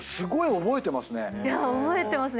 覚えてますね。